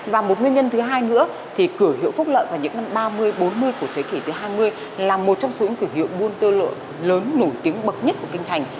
và một nguyên nhân thứ hai nữa thì cửa hiệu phúc lợi vào những năm ba mươi bốn mươi của thế kỷ thứ hai mươi là một trong số những cửa hiệu buôn tơ lội lớn nổi tiếng bậc nhất của kinh thành